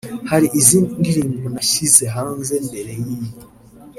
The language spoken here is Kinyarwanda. “Hari izindi ndirimbo nashyize hanze mbere y’iyi